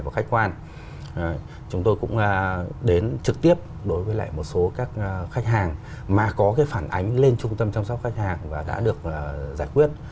khách hàng và đã được giải quyết